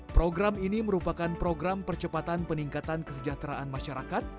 probebaya merupakan program percepatan peningkatan kesejahteraan masyarakat